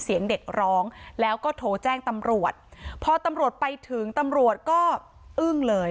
เสียงเด็กร้องแล้วก็โทรแจ้งตำรวจพอตำรวจไปถึงตำรวจก็อึ้งเลย